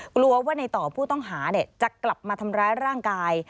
กลัวว่าในต่อผู้ต้องหาจะกลับมาทำร้ายร่างกาย